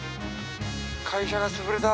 会社が潰れた。